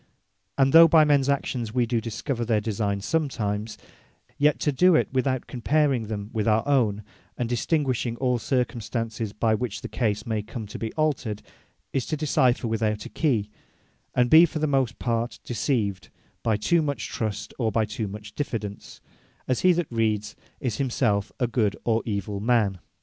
And though by mens actions wee do discover their designee sometimes; yet to do it without comparing them with our own, and distinguishing all circumstances, by which the case may come to be altered, is to decypher without a key, and be for the most part deceived, by too much trust, or by too much diffidence; as he that reads, is himselfe a good or evill man.